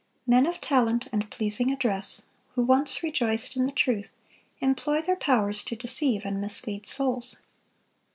Men of talent and pleasing address, who once rejoiced in the truth, employ their powers to deceive and mislead souls.